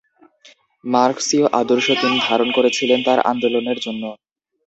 মার্ক্সীয় আদর্শ তিনি ধারণ করেছিলেন তার আন্দোলনের জন্য।